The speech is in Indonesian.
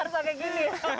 harus pakai gini ya